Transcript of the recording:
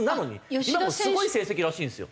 今もうすごい成績らしいんですよ。